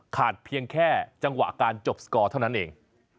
เพียงแค่จังหวะการจบสกอร์เท่านั้นเอง